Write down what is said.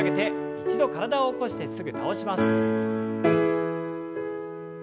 一度体を起こしてすぐ倒します。